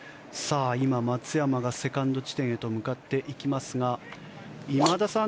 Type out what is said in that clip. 今、松山がセカンド地点へと向かっていきますが今田さん